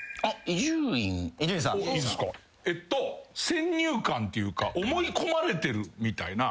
先入観っていうか思い込まれてるみたいな。